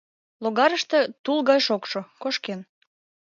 Логарыште тул гай шокшо, кошкен...